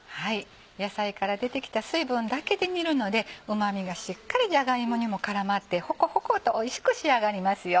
野菜から出てきた水分だけで煮るのでうま味がしっかりじゃが芋にも絡まってほこほことおいしく仕上がりますよ。